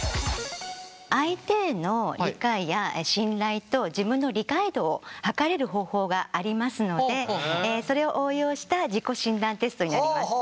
相手への理解や信頼と自分の理解度を測れる方法がありますのでそれを応用した自己診断テストになります。